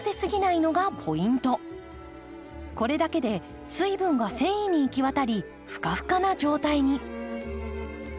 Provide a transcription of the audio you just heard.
これだけで水分が繊維に行き渡りふかふかな状態に。